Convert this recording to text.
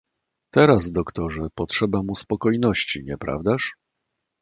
"Teraz, doktorze, potrzeba mu spokojności, nieprawdaż?"